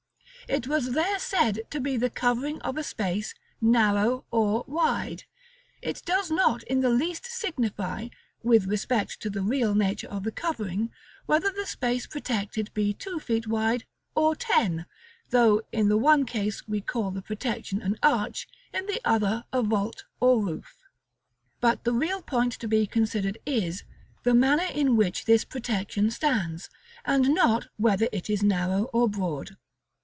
It was there said to be the covering of a space, narrow or wide. It does not in the least signify, with respect to the real nature of the covering, whether the space protected be two feet wide, or ten; though in the one case we call the protection an arch, in the other a vault or roof. But the real point to be considered is, the manner in which this protection stands, and not whether it is narrow or broad.